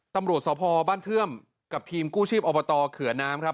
ตำรวจสพบ้านเทื่อมกับทีมกู้ชีพอบตเขือน้ำครับ